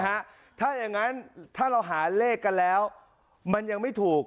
ถ้าอย่างงั้นถ้าเราหาเลขกันแล้วมันยังไม่ถูก